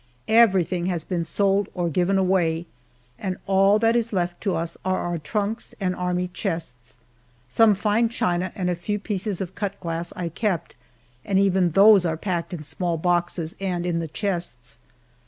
Everything has been sold or given away, and all that is left to us are our trunks and army chests. Some fine china and a few pieces of cut glass I kept, and even those are packed in small boxes and in the chests.